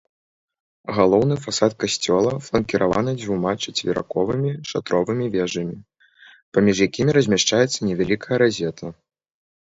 Галоўны фасад касцёла фланкіраваны дзвюма чацверыковымі шатровымі вежамі, паміж якімі размяшчаецца невялікая разета.